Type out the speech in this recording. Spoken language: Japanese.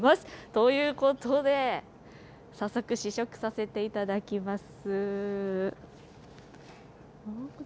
ということで、早速、試食させていただきます。